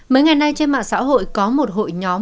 mấy ngày nay trên mạng xã hội có một hội nhóm